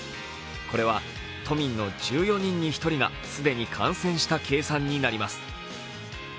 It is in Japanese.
これは都民の１４人に１人が既に感染した計算になります。